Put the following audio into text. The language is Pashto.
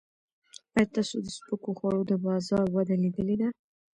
ایا تاسو د سپکو خوړو د بازار وده لیدلې ده؟